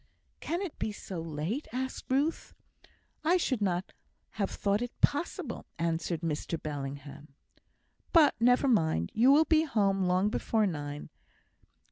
"Can it be so late?" asked Ruth. "I should not have thought it possible," answered Mr Bellingham. "But, never mind, you will be at home long before nine.